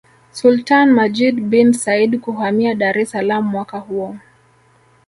Sultani Majid bin Said kuhamia Dar es Salaam mwaka huo